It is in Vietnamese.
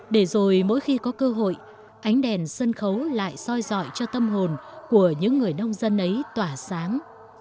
để rồi mỗi khi có cơ hội ánh đèn sân khấu lại soi dọi cho tâm hồn của những người nông dân ấy tỏa sáng